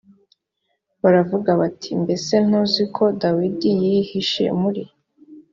baravuga bati mbese ntuzi ko dawidi yihishe muri